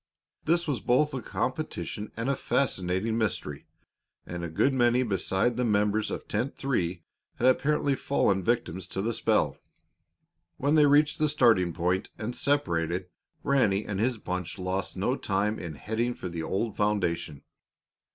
This was both a competition and a fascinating mystery, and a good many beside the members of Tent Three had apparently fallen victims to the spell. When they reached the starting point and separated, Ranny and his bunch lost no time in heading for the old foundation.